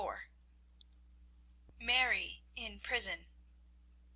MARY IN PRISON.